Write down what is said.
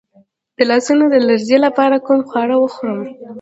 د لاسونو د لرزې لپاره کوم خواړه وخورم؟